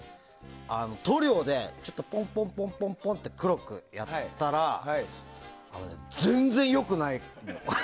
塗料でポンポンポンって黒くやったらあのね、全然良くないの。